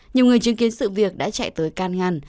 nhiều người chứng kiến sự việc đã chạy tới can ngăn